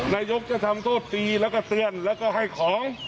นายกจะทำโทษตีแล้วก็เตือนแล้วก็ให้ของ